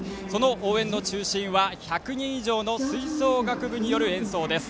応援の中心は１００人以上の吹奏楽部による演奏です。